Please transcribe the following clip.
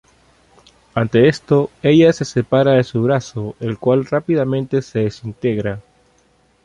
Ante esto, ella se separa de su brazo, el cual rápidamente se desintegra.